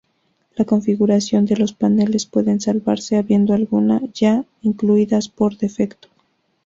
La configuración de los paneles puede salvarse, habiendo algunas ya incluidas por defecto.